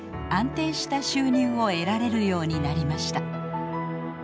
安定した収入を得られるようになりました。